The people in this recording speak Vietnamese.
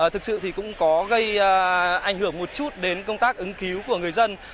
thực sự thì cũng có gây ảnh hưởng một chút đến công tác ứng cứu của người dân